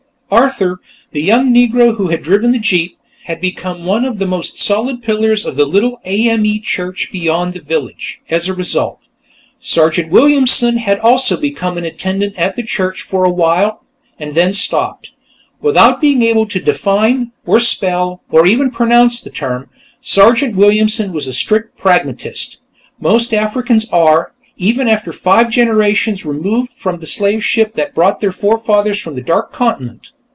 Arthur, the young Negro who had driven the jeep, had become one of the most solid pillars of the little A.M.E. church beyond the village, as a result. Sergeant Williamson had also become an attendant at church for a while, and then stopped. Without being able to define, or spell, or even pronounce the term, Sergeant Williamson was a strict pragmatist. Most Africans are, even five generations removed from the slave ship that brought their forefathers from the Dark Continent.